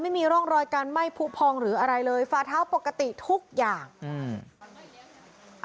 ไม่มีร่องรอยการไหม้ผู้พองหรืออะไรเลยฝาเท้าปกติทุกอย่างอืม